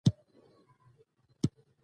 د شولګر اډې څنګ ته د المانیانو قرارګاه وه.